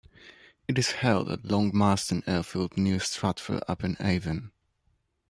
It is held at Long Marston Airfield near Stratford-upon-Avon.